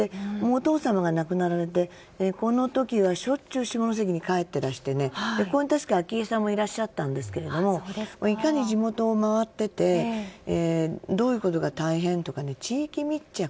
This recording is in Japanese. お父様が亡くなられてこの時はしょっちゅう下関に帰ってらしてここに確か昭恵さんもいらしてたんですがいかに地元を回っていてどういうことが大変とか地域密着